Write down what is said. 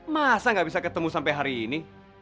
masa gak bisa ketemu sampai hari ini